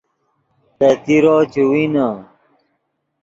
دے تیرو چے وینے